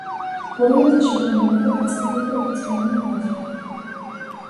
გურიანთაში მან მიიღო დაწყებითი ოთხწლიანი განათლება.